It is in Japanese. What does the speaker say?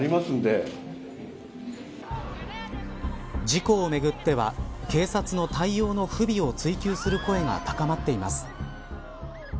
事故をめぐっては警察の対応の不備を追及する声が高まっています。